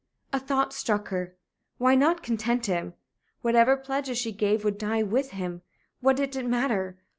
A thought struck her. Why not content him? Whatever pledges she gave would die with him. What did it matter?